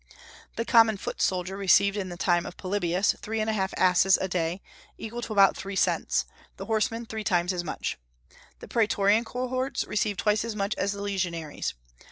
The common foot soldier received in the time of Polybius three and a half asses a day, equal to about three cents; the horseman three times as much. The praetorian cohorts received twice as much as the legionaries.